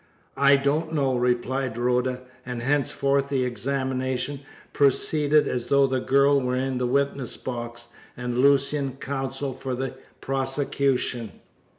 "I don't know," replied Rhoda; and henceforth the examination proceeded as though the girl were in the witness box and Lucian counsel for the prosecution.